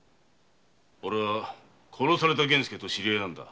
おれは殺された源助と知り合いなんだ。